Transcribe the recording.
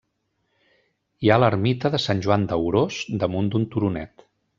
Hi ha l'ermita de Sant Joan d'Aurós, damunt d'un turonet.